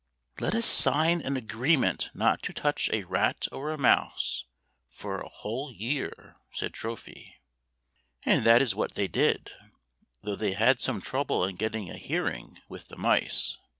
"" Let us sign an agreement not to touch a rat or a mouse for a whole year," said Trophy. And that is what they did — though they had some trouble in getting a hearing with the mice.